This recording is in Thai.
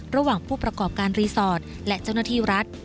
ระหว่างผู้ประกอบการรีสอร์ทและเจ้าหน้าที่รัฐ